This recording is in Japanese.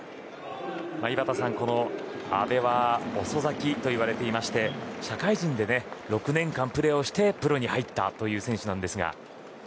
井端さん、阿部は遅咲きといわれていまして社会人で６年間プレーをしてプロに入った選手ですが。